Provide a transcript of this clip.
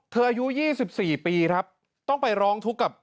เธออายุ๒๔ปีต้องไปร้องทุกข์กับ